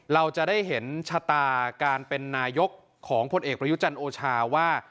เราจะได้เห็นชะตาการเป็นนายกของพลเอกประยุจันทร์โอชาว่า